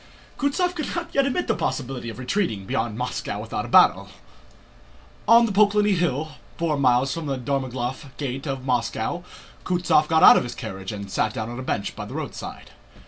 Kutúzov could not yet admit the possibility of retreating beyond Moscow without a battle. On the Poklónny Hill, four miles from the Dorogomílov gate of Moscow, Kutúzov got out of his carriage and sat down on a bench by the roadside.